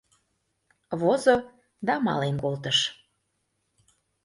Возо - да мален колтыш.